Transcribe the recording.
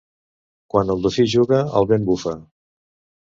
Quan el dofí juga, el vent bufa.